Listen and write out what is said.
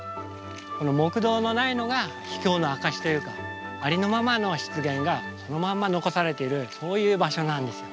この木道のないのが秘境の証しというかありのままの湿原がそのまんま残されているそういう場所なんですよ